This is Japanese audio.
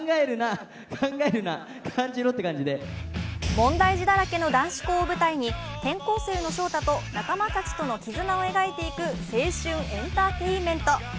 問題児だらけの男子校を舞台に転校生の勝太と仲間たちとの絆を描いていく青春エンターテインメント。